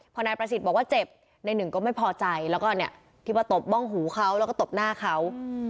พอนายประสิทธิ์บอกว่าเจ็บในหนึ่งก็ไม่พอใจแล้วก็เนี่ยที่มาตบบ้องหูเขาแล้วก็ตบหน้าเขา